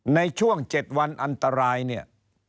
ในช่วง๗วันอันตรายเนี่ย